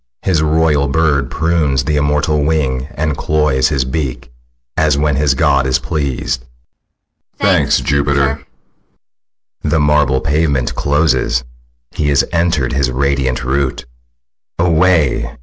His royal bird Prunes the immortal wing, and cloys his beak, As when his god is pleas'd. ALL. Thanks, Jupiter! SICILIUS. The marble pavement closes, he is enter'd His radiant roof. Away!